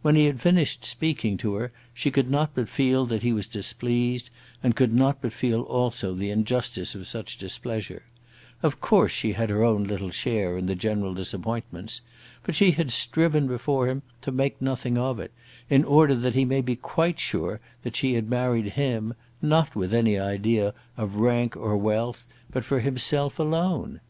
When he had finished speaking to her she could not but feel that he was displeased, and could not but feel also the injustice of such displeasure. Of course she had her own little share in the general disappointments. But she had striven before him to make nothing of it, in order that he might be quite sure that she had married him not with any idea of rank or wealth, but for himself alone.